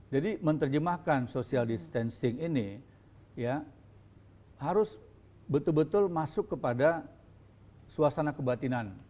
jadi menerjemahkan social distancing ini harus betul betul masuk kepada suasana kebatinan